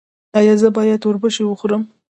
ایا زه باید اوربشې وخورم؟